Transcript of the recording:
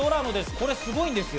これすごいんですよ。